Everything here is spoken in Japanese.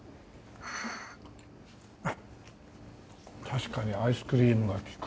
確かにアイスクリームが利く！